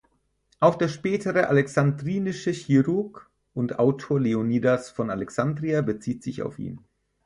Auch der spätere alexandrinische Chirurg und Autor Leonidas von Alexandria bezieht sich auf ihn.